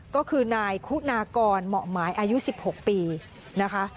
ก็คือนายคุณากรเหมาะหมายอายุ๑๖ปีนะคะ